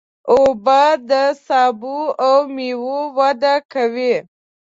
اوبه د سبو او مېوو وده کوي.